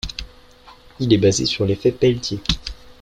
Il est basé sur l'effet Peltier.